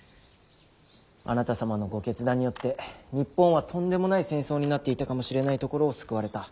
あなた様のご決断によって日本はとんでもない戦争になっていたかもしれないところを救われた。